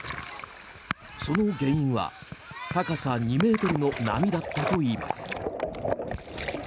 その原因は高さ２ｍの波だったといいます。